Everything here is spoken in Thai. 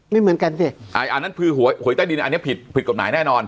ไม่เหมือนกันสิอ่าอันนั้นคือหวยหวยใต้ดินอันนี้ผิดผิดกฎหมายแน่นอน